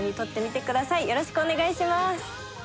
よろしくお願いします。